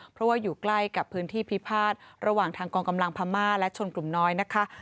เพราะว่าอยู่ใกล้กับพื้นที่พิพาทระหว่างทางกองกำลังพม่าและชนกลุ่มน้อยนะคะ